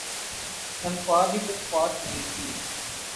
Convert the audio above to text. تنخواہ بھی کچھ خاص نہیں تھی ۔